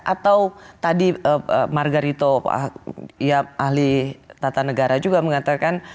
atau tadi margarito ahli tata negara juga mengatakan